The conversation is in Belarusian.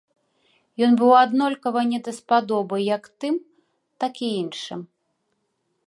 Ён быў аднолькава не даспадобы як тым, так і іншым.